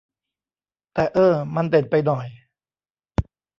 แต่ เอ้อ มันเด่นไปหน่อย